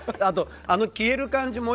あと、あの消える感じ